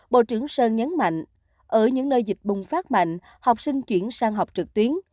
bộ trưởng sơn nhấn mạnh ở những nơi dịch bùng phát mạnh học sinh chuyển sang học trực tuyến